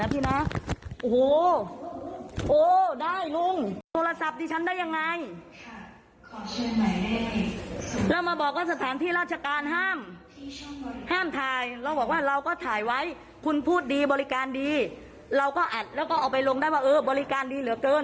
ถ้ามาอัดแล้วก็เอาไปลงได้ว่าเออบริการดีเหลือเกิน